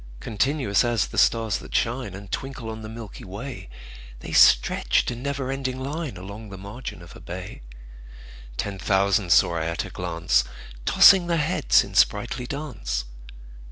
Continuous as the stars that shine And twinkle on the milky way, The stretched in never ending line Along the margin of a bay: Ten thousand saw I at a glance, Tossing their heads in sprightly dance.